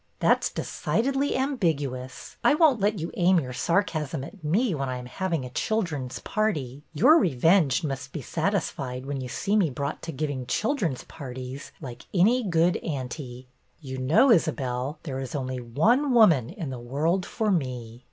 That 's decidedly ambiguous. I won't let you aim your sarcasm at me when I am having a children's party. Your revenge must be satisfied when you see me brought to giving children's parties, like any good auntie." You know, Isabelle, there is only one woman in the world for me."